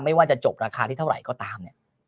ไม่ว่าจะจบราคาที่เท่าไหร่ก็ตามเนี่ย